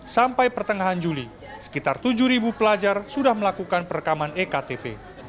sampai pertengahan juli sekitar tujuh pelajar sudah melakukan perekaman ektp